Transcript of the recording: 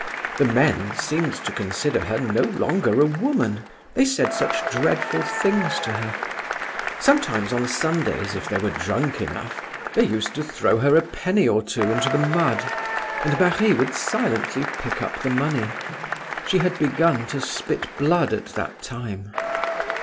The men seemed to consider her no longer a woman, they said such dreadful things to her. Sometimes on Sundays, if they were drunk enough, they used to throw her a penny or two, into the mud, and Marie would silently pick up the money. She had began to spit blood at that time.